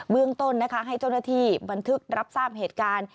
เบื้องต้นนะคะให้จรฐีบันทึกรับทราบเหตุการณ์